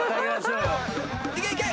いけいけ！